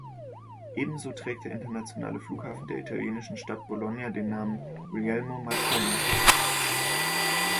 Ebenso trägt der internationale Flughafen der italienischen Stadt Bologna den Namen "Guglielmo Marconi".